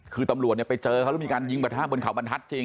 คือตำรวจเนี่ยไปเจอเขาแล้วมีการยิงประทะบนเขาบรรทัศน์จริง